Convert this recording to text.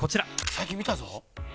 最近見たぞ。